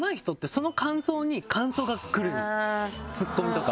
ツッコミとか。